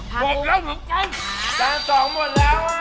หมดแล้วคุณ